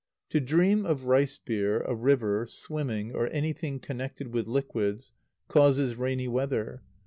_ To dream of rice beer, a river, swimming, or anything connected with liquids, causes rainy weather.